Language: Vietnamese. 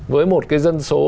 với một cái dân số